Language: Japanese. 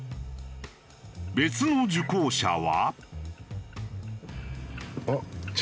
別の受講者は。